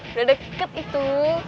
udah deket itu